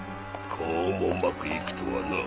こうもうまく行くとはな。